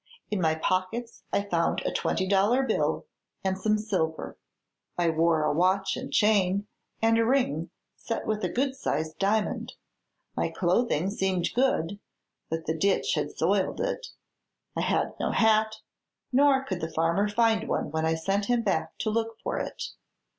In my pockets I found a twenty dollar bill and some silver. I wore a watch and chain and a ring set with a good sized diamond. My clothing seemed good, but the ditch had soiled it. I had no hat, nor could the farmer find one when I sent him back to look for it.